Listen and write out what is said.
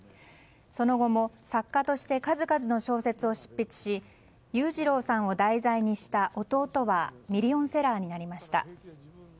その後も作家として数々の小説を執筆し裕次郎さんを題材にした「弟」はミリオンセラーになりました。